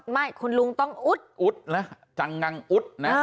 ไม่คุณลุงต้องอุ๊ดอุ๊ดนะจังงังอุ๊ดนะ